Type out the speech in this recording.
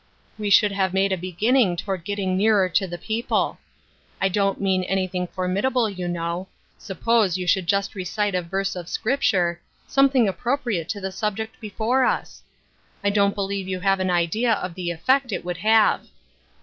We should have made a beginning toward getting nearer to the people. I don't mean anything formidable, you know. Suppose you should just recite a verse of Sc^ih ture — something appropriate to the subject be fore us ? I don't believe you have an idea of the effect it would have."